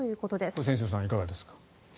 これは千正さんいかがですか。